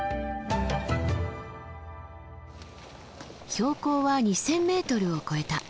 標高は２，０００ｍを超えた。